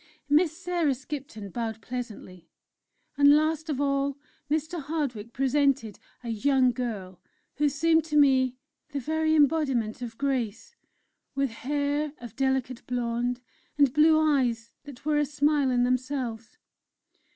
Miss Sarah Skipton bowed pleasantly, and last of all Mr. Hardwick presented a young girl who seemed to me the very embodiment of grace with hair of delicate blond, and blue eyes that were a smile in themselves.